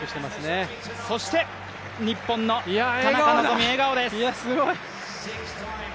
そして、日本の田中希実、笑顔です。